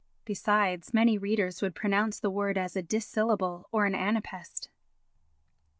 Besides many readers would pronounce the word as a dissyllable or an anapæst.